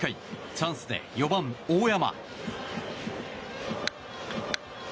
チャンスで４番、大山。